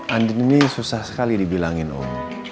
andin ini susah sekali dibilangin om